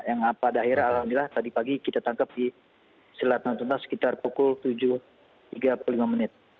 yang pada akhirnya alhamdulillah tadi pagi kita tangkap di selat natuna sekitar pukul tujuh tiga puluh lima menit